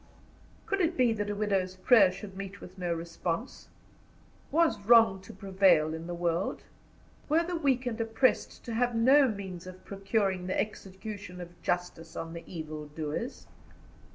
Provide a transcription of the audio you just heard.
Could it be that a widow's prayer should meet with no response? Was wrong to prevail in the world? Were the weak and oppressed to have no means of procuring the execution of justice on the evildoers?